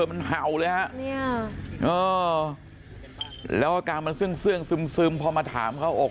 มันห่าวเลยฮะเนี่ยแล้วกลางมันเสื่อมซึมพอมาถามเขา